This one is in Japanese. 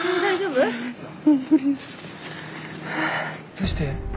どうして？